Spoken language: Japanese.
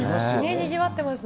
にぎわってますよね。